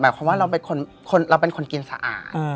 ความว่าเราเป็นคนกินสะอาด